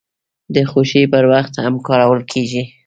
د خوښۍ پر وخت هم کارول کیږي.